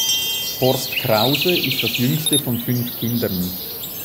Horst Krause ist das jüngste von fünf Kindern.